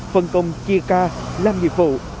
phần công chia ca làm nhiệm vụ